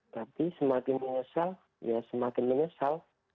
tapi semakin menyesal ya semakin menyesal